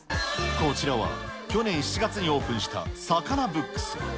こちらは去年７月にオープンしたサカナブックス。